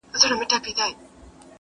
ړانده وګړي د دلبرو قدر څه پیژني-